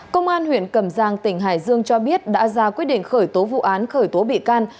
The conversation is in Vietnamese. công an huyện cầm giang tỉnh hải dương cho biết đã ra quyết định khởi tố vụ án khởi tố bị can